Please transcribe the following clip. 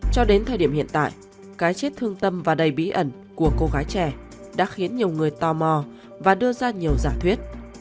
cho đến thời điểm hiện tại cái chết thương tâm và đầy bí ẩn của cô gái trẻ đã khiến nhiều người tò mò và đưa ra nhiều giả thuyết